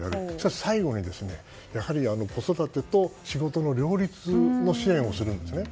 最後に子育てと仕事の両立の支援をするんですね。